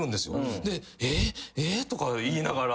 「えっえっ」とか言いながら。